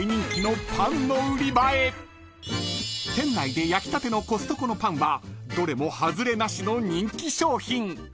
［店内で焼きたてのコストコのパンはどれも外れなしの人気商品］